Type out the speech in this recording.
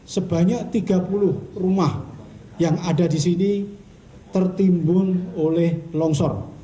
sebanyak tiga puluh rumah yang ada di sini tertimbun oleh longsor